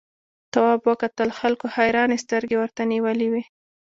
تواب وکتل خلکو حیرانې سترګې ورته نیولې وې.